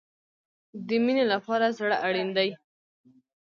د مینې لپاره زړه اړین دی